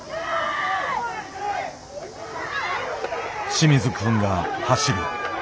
清水くんが走る。